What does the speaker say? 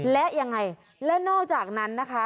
และยังไงและนอกจากนั้นนะคะ